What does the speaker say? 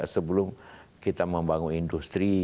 sebelum kita membangun industri